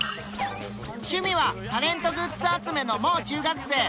趣味はタレントグッズ集めのもう中学生